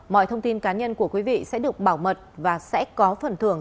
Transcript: mọi thông tin cá nhân của quý vị sẽ được bảo mật và sẽ có phần thưởng